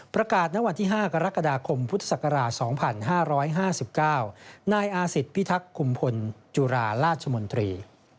ณวันที่๕กรกฎาคมพุทธศักราช๒๕๕๙นายอาศิษฐพิทักษ์คุมพลจุฬาราชมนตรี